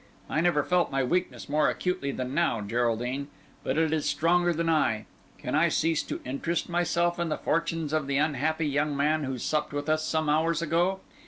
I never felt my weakness more acutely than now, Geraldine, but it is stronger than I. Can I cease to interest myself in the fortunes of the unhappy young man who supped with us some hours ago?